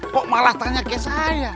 kok malah tanya ke saya